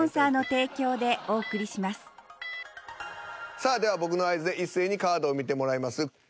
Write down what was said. さあでは僕の合図で一斉にカードを見てもらいます。